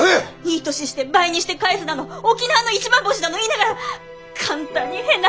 いい年して倍にして返すだの沖縄の一番星だの言いながら簡単に変な話に引っ掛かって。